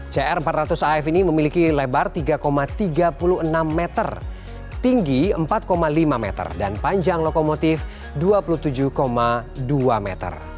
cr empat ratus af ini memiliki lebar tiga tiga puluh enam meter tinggi empat lima meter dan panjang lokomotif dua puluh tujuh dua meter